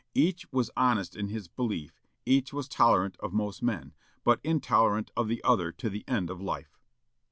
Each was honest in his belief; each was tolerant of most men, but intolerant of the other to the end of life.